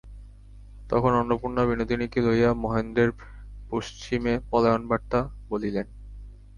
তখন অন্নপূর্ণা বিনোদিনীকে লইয়া মহেন্দ্রের পশ্চিমে পলায়ন-বার্তা বলিলেন।